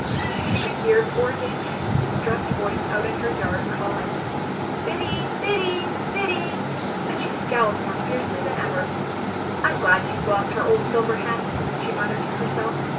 She could hear poor Dame Penny's distressed voice out in her yard, calling Biddy, Biddy, Biddy;" and she scowled more fiercely than ever. I'm glad she's lost her old silver hen," she muttered to herself.